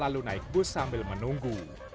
lalu naik bus sambil menunggu